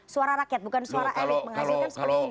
suara rakyat bukan suara elit menghasilkan seperti ini